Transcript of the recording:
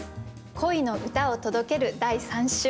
恋の歌を届ける第３週。